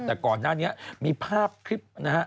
แต่ก่อนหน้านี้มีภาพคลิปนะฮะ